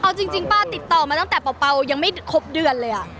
เอาจริงป้าติดต่อมาตั้งแต่เป่ายังไม่ครบเดือนเลย